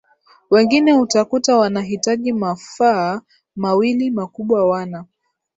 wengine utakuta wanahitaji mafaa mawili makubwa wana